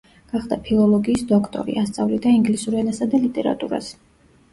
გახდა ფილოლოგიის დოქტორი, ასწავლიდა ინგლისურ ენასა და ლიტერატურას.